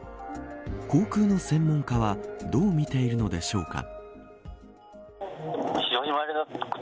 航空の専門家はどう見ているのでしょうか。